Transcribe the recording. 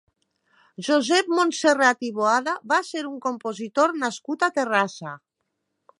Josep Montserrat i Boada va ser un compositor nascut a Terrassa.